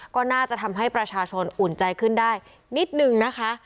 ก็น่าจะทำให้ประชาชนอุ่นใจขึ้นได้นิดนึงนะคะ